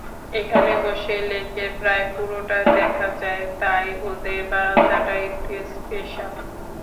এখানে বসে লেকের প্রায় পুরোটা দেখা যায়, তাই ওদের বারান্দাটা একটু স্পেশাল।